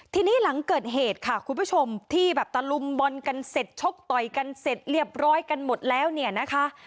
ทีนี้หลังเกิดเหตุค่ะคุณผู้ชมที่แบบตะลุมบอลกันเสร็จชกต่อยกันเสร็จเรียบร้อยกันหมดแล้วเนี่ยนะคะ